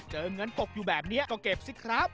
เงินตกอยู่แบบนี้ก็เก็บสิครับ